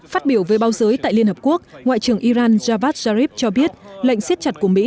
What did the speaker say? phát biểu về bao giới tại liên hợp quốc ngoại trưởng iran javad jarif cho biết lệnh xét chặt của mỹ